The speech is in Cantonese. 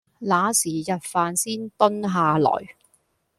那時日飯先蹲下來